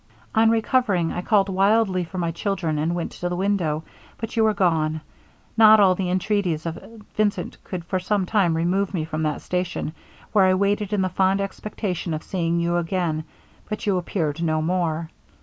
'On recovering I called wildly for my children, and went to the window but you were gone! Not all the entreaties of Vincent could for some time remove me from this station, where I waited in the fond expectation of seeing you again but you appeared no more!